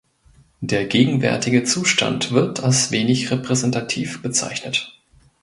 Der gegenwärtige Zustand wird als wenig repräsentativ bezeichnet.